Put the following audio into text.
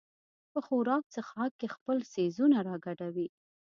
په خوراک څښاک کې خپل څیزونه راګډوي.